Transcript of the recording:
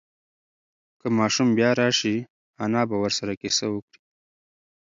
که ماشوم بیا راشي، انا به ورسره قصه وکړي.